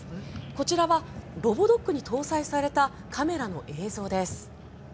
こちらはロボドッグに搭載されたカメラの映像です。